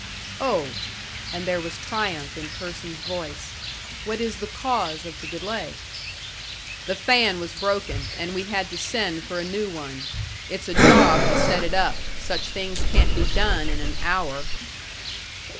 "Oh!" And there was triumph in Percy's voice. "What is the cause of the delay?" "The fan was broken, and we had to send for a new one. It's a job to set it up such things can't be done in an hour."